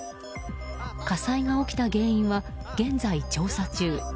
火災が起きた原因は現在、調査中。